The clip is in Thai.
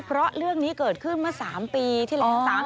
เพราะเรื่องนี้เกิดขึ้นเมื่อ๓ปีที่แล้ว